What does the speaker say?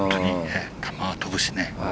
球は飛ぶし。